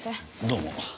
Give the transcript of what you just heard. どうも。